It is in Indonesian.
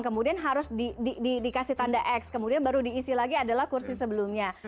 kemudian harus dikasih tanda x kemudian baru diisi lagi adalah kursi sebelumnya